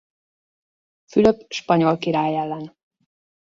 Fülöp spanyol király ellen.